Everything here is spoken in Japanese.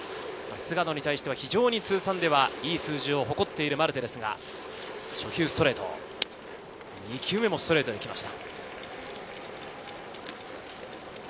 菅野に対して非常に通算ではいい数字を誇っているマルテですが初球ストレート、２球目もストレートで来ました。